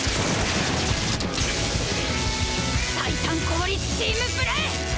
最短効率チームプレイ！